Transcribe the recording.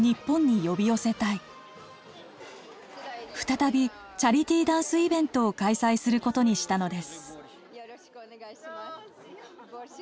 再びチャリティーダンスイベントを開催することにしたのです。